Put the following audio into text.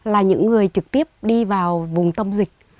là những người trực tiếp đi vào vùng tâm dịch